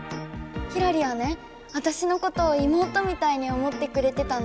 ひらりはねわたしのことを妹みたいに思ってくれてたの。